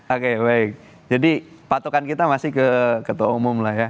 oke baik jadi patokan kita masih ke ketua umum lah ya